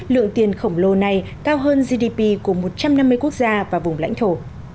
lượng tiền khổng lồ này cao hơn gdp của một trăm năm mươi quốc gia và vùng lãnh thổ